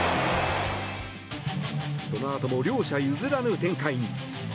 そのあとも両者譲らぬ展開に。